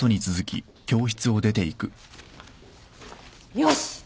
よし！